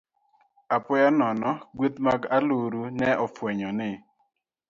Apoya nono, kweth mag aluru ne ofwenyo ni